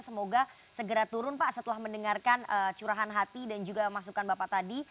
semoga segera turun pak setelah mendengarkan curahan hati dan juga masukan bapak tadi